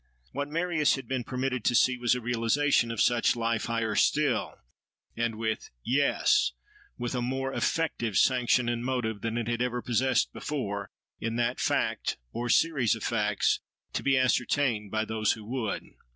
What Marius had been permitted to see was a realisation of such life higher still: and with—Yes! with a more effective sanction and motive than it had ever possessed before, in that fact, or series of facts, to be ascertained by those who would.